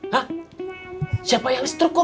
hah siapa yang listruk om